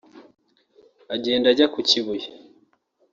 agende ajye ku Kibuye